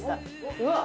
うわっ！